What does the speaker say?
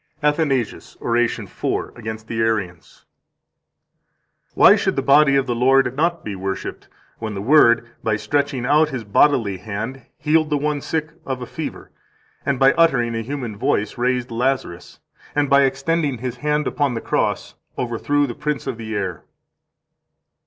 147 ATHANASIUS, Oration 4, Against the Arians (Epist. ad Adelp. c. Arian, t. 1, p. 161, ed. Colon.): "Why should the body of the Lord not be worshiped when the Word, by stretching out His bodily hand, healed the one sick of a fever, and by uttering a human voice raised Lazarus, and by extending His hands upon the cross overthrew the prince of the air?"